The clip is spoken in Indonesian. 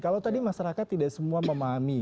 kalau tadi masyarakat tidak semua memahami